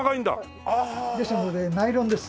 ですのでナイロンです。